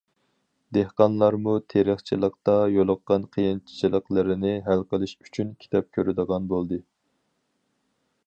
دېھقانلارمۇ تېرىقچىلىقتا يولۇققان قىيىنچىلىقلىرىنى ھەل قىلىش ئۈچۈن كىتاب كۆرىدىغان بولدى.